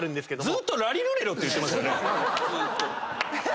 ずーっと。